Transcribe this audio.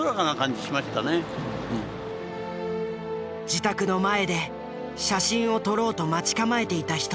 自宅の前で写真を撮ろうと待ち構えていた人。